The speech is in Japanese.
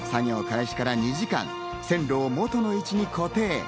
作業開始から２時間、線路を元の位置に固定。